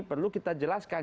perlu kita jelaskan